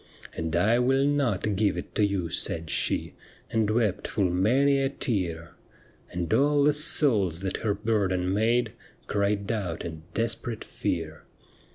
' And I will not give it to you,' said she. And wept full many a tear; And all the souls that her burden made Cried out in desperate fear.